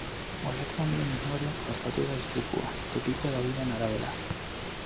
Olatu handien ondorioz gertatu da istripua, tokiko hedabideen arabera.